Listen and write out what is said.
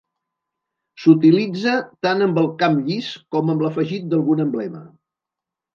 S'utilitza tant amb el camp llis com amb l'afegit d'algun emblema.